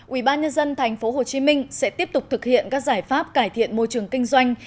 ubnd tp hcm sẽ tiếp tục thực hiện các giải pháp cải thiện môi trường kinh doanh